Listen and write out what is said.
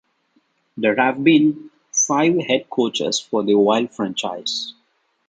There have been five head coaches for the Wild franchise.